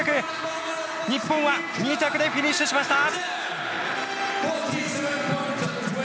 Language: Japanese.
日本は２着でフィニッシュしました！